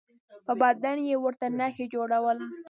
په بدن به یې ورته نښه جوړوله.